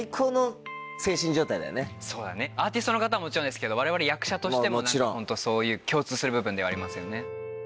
そうだねアーティストの方もちろんですけど我々役者としてもそういう共通する部分ではありますよね。